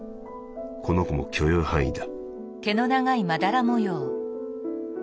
この子も許容範囲だ」。